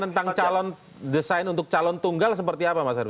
tentang calon desain untuk calon tunggal seperti apa mas heru